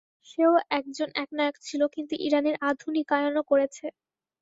সে একজন একনায়ক ছিল, কিন্তু ইরানের আধুনিকায়নও করেছে।